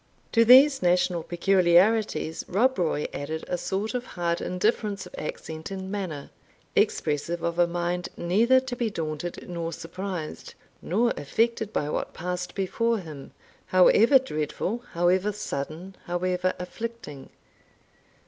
To these national peculiarities Rob Roy added a sort of hard indifference of accent and manner, expressive of a mind neither to be daunted, nor surprised, nor affected by what passed before him, however dreadful, however sudden, however afflicting.